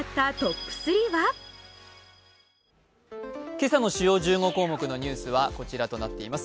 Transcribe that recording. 今朝の主要１５項目のニュースはこちらとなっています。